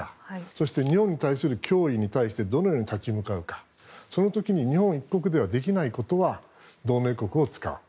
そして日本に対する脅威に対してどのような立ち向かうかその時に日本一国ではできないことは同盟国を使う。